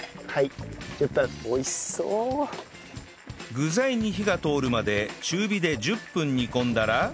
具材に火が通るまで中火で１０分煮込んだら